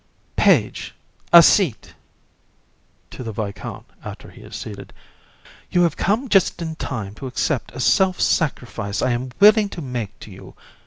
Page, a seat. (To the VISCOUNT, after he is seated) You have come just in time to accept a self sacrifice I am willing to make to you.